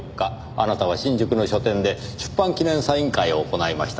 あなたは新宿の書店で出版記念サイン会を行いましたね？